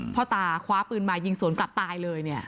พ่อตาคว้าปืนมายิงสวนกลับตายเลย